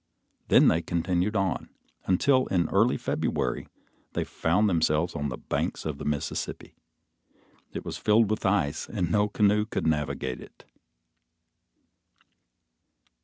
Then they continued on, until early in February they found themselves on the banks of the Mississippi. It was filled with ice, and no canoe could navigate it.